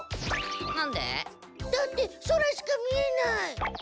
なんで？だって空しか見えない。